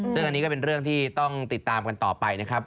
ซึ่งอันนี้ก็เป็นเรื่องที่ต้องติดตามกันต่อไปนะครับ